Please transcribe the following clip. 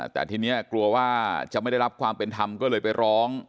แต่ทีนี้กลัวว่าจะไม่ได้รับความเป็นธรรมก็เลยไปร้อง